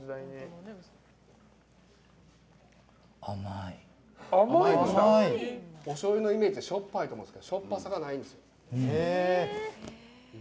甘い。おしょうゆのイメージってしょっぱいと思うんですがしょっぱさがないんです。